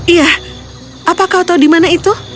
iya apa kau tahu di mana itu